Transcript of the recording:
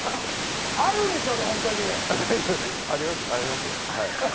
あるんでしょうね、本当に。